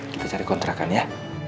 kita cari kontrakan ya